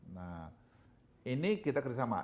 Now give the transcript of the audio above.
nah ini kita kerjasama